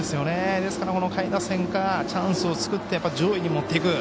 ですから下位打線からチャンスを作って上位に持っていく。